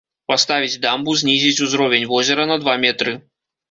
Паставіць дамбу, знізіць узровень возера на два метры.